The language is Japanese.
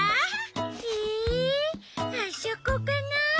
えあそこかな？